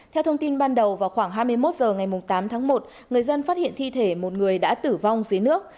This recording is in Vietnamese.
theo thông tin ban đầu vào khoảng hai mươi một h ngày tám tháng một người dân phát hiện thi thể một người đã tử vong dưới nước